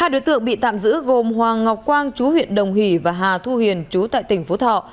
hai đối tượng bị tạm giữ gồm hoàng ngọc quang chú huyện đồng hỷ và hà thu huyền chú tại tỉnh phú thọ